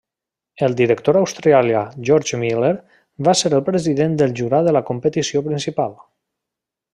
El director australià George Miller va ser el president del jurat de la competició principal.